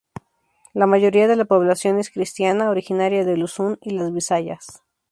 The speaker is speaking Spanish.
La mayoría de la población es cristiana, originaria de Luzón y las Bisayas.